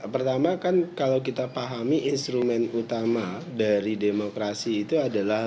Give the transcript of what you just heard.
pertama kan kalau kita pahami instrumen utama dari demokrasi itu adalah